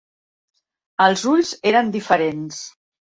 Els ulls eren diferents.